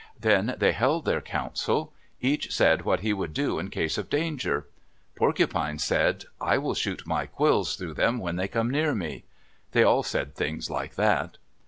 Then they held their council. Each said what he would do in case of danger. Porcupine said, "I will shoot my quills through them when they come near me." They all said things like that.